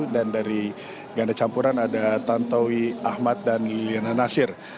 dan dari ganda campuran ada tantowi ahmad dan liliana nasir